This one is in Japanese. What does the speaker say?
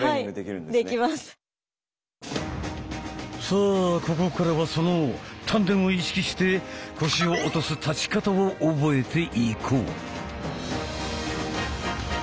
さあここからはその丹田を意識して腰を落とす立ち方を覚えていこう！